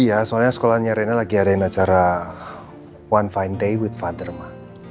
iya soalnya sekolahannya rena lagi adain acara one fine day with father ma